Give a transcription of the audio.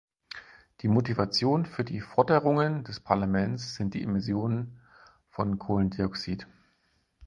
Die Motivation für die Forderungen des Parlaments sind die Emissionen von Kohlendioxid.